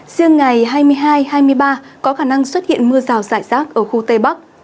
riêng ngày hai mươi hai hai mươi ba có khả năng xuất hiện mưa rào rải rác ở khu tây bắc